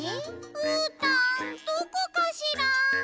うーたんどこかしら？